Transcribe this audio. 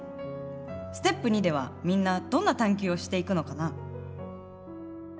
ステップ２ではみんなどんな探究をしていくのかな？